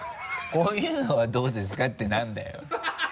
「こういうのはどうですか？」って何だよ。